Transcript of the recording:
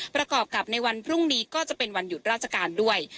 ประกอบกับในวันพรุ่งนี้ก็จะเป็นวันหยุดราชการด้วย